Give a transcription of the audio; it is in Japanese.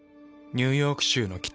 ニューヨーク州の北。